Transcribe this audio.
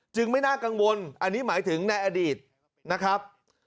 ไม่น่ากังวลอันนี้หมายถึงในอดีตนะครับ